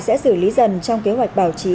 sẽ xử lý dần trong kế hoạch bảo trì